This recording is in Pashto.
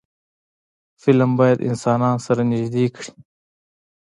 فلم باید انسانان سره نږدې کړي